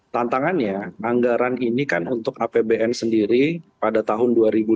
tantangannya anggaran ini kan untuk apbn sendiri pada tahun dua ribu dua puluh tiga dua ribu dua puluh empat